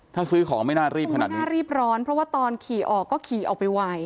ถ้าซื้อของไม่น่ารีบขนาดนี้น่ารีบร้อนเพราะว่าตอนขี่ออกก็ขี่ออกไปไว